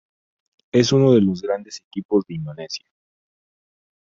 Es uno de los grandes equipos de Indonesia.